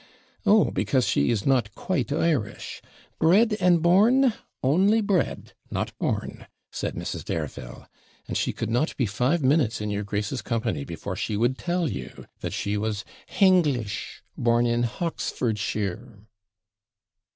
'Oh! because she is not quite Irish. BRED AND BORN only bred, not born,' said Mrs. Dareville. 'And she could not be five minutes in your grace's company before she would tell you, that she was HENGLISH, born in HOXFORDSHIRE.'